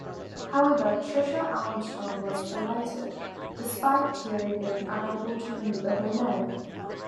However, Tricia Armstrong was elated, despite Terry being unable to remember her name.